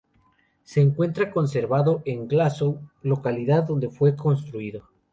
Se encuentra conservado en Glasgow, localidad donde fue construido.